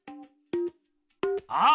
あっ！